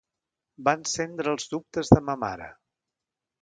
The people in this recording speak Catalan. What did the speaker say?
Va encendre els dubtes de ma mare.